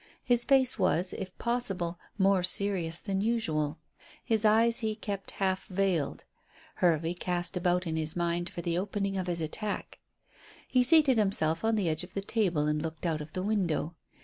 His face was, if possible, more serious than usual. His eyes he kept half veiled. Hervey cast about in his mind for the opening of his attack. He seated himself on the edge of the table and looked out of the window.